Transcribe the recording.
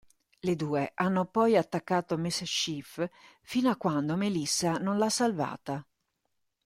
Le due hanno poi attaccato MsChif fino a quando Melissa non l'ha salvata.